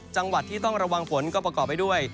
จังหวัดที่ต้องระวังฝนก็ประกอบไปด้วย